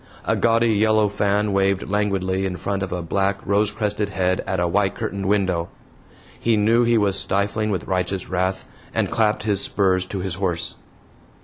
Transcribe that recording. A gaudy yellow fan waved languidly in front of a black rose crested head at a white curtained window. He knew he was stifling with righteous wrath, and clapped his spurs to his horse.